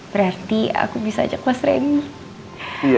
berarti aku bisa ajak mas randy